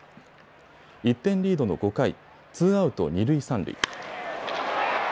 １点リードの５回ツーアウト二塁三塁。